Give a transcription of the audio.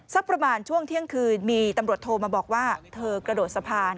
สักประมาณช่วงเที่ยงคืนมีตำรวจโทรมาบอกว่าเธอกระโดดสะพาน